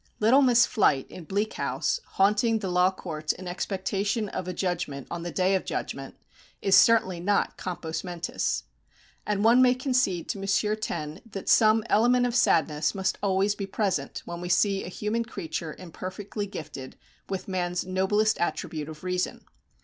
Little Miss Flite, in "Bleak House," haunting the Law Courts in expectation of a judgment on the Day of Judgment, is certainly not compos mentis. And one may concede to M. Taine that some element of sadness must always be present when we see a human creature imperfectly gifted with man's noblest attribute of reason.